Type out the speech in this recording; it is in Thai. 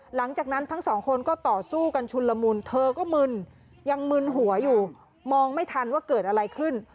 หลังจากนั้นทั้งสองคนก็ต่อสู้กันชุนละมุนเธอก็มึนยังมึนหัวอยู่มองไม่ทันว่าเกิดอะไรขึ้น